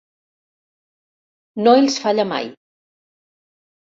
No els falla mai.